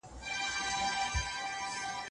روغ رمټ بدن د خدای لوی نعمت دی.